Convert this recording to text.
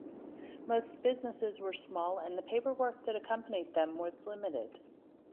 Most businesses were small, and the paperwork that accompanied them was limited.